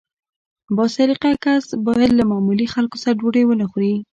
با سلیقه کس باید له معمولي خلکو سره ډوډۍ ونه خوري.